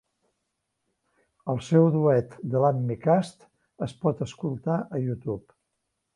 El seu duet "Delam Mikhast" es pot escoltar a YouTube.